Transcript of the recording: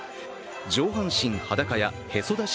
上半裸やへそ出し